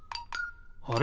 あれ？